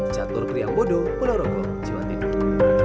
chatur kriang bodo pulau rogo jawa tenggara